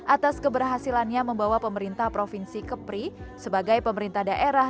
atas keberhasilannya membawa pemerintah provinsi kepri sebagai pemerintah daerah